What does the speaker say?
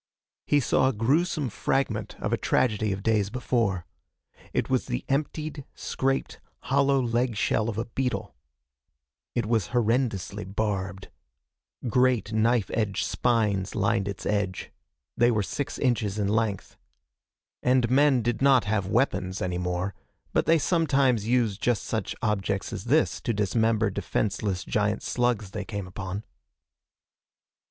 He saw a gruesome fragment of a tragedy of days before. It was the emptied, scraped, hollow leg shell of a beetle. It was horrendously barbed. Great, knife edged spines lined its edge. They were six inches in length. And men did not have weapons any more, but they sometimes used just such objects as this to dismember defenseless giant slugs they came upon.